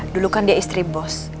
dulu kan dia istri bos